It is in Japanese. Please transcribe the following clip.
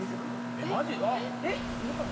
「えっ今から？」